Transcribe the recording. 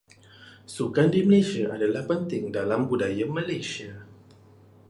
Sukan di Malaysia adalah penting dalam budaya Malaysia.